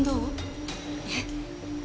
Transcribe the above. えっ？